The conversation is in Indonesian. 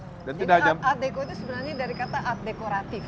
art deco itu sebenarnya dari kata art dekoratif